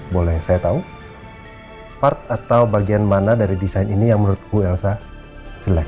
boleh saya tahu bagian mana dari desain ini yang menurut ibu elsa jelek